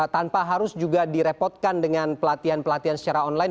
tanpa harus juga direpotkan dengan pelatihan pelatihan secara online